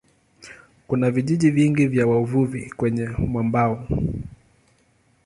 Kuna vijiji vingi vya wavuvi kwenye mwambao.